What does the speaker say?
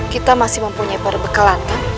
kita masih mempunyai perbekalan kan